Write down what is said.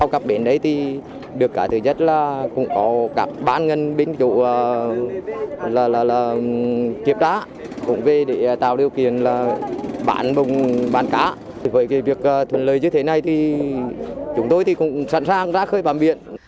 chúng tôi cũng sẵn sàng ra khơi bàm biển